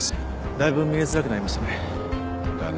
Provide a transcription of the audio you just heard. だいぶ見えづらくなりましたね。